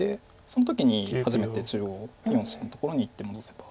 その時に初めて中央４子のところに１手戻せば。